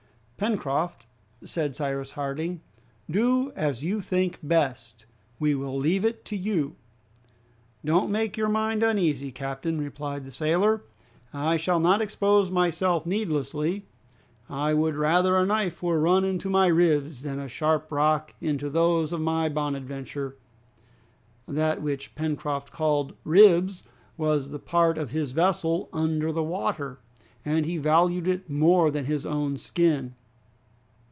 "Pencroft," said Cyrus Harding, "do as you think best, we will leave it to you." "Don't make your mind uneasy, captain," replied the sailor, "I shall not expose myself needlessly! I would rather a knife were run into my ribs than a sharp rock into those of my 'Bonadventure!'" That which Pencroft called ribs was the part of his vessel under water, and he valued it more than his own skin.